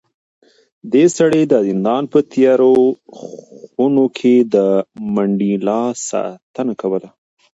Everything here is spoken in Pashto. دې سړي د زندان په تیارو خونو کې د منډېلا ساتنه کوله.